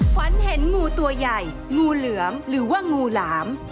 ฝันเห็นงูตัวใหญ่งูเหลือมหรือว่างูหลาม